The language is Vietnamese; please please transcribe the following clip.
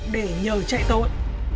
để nhờ chạy tội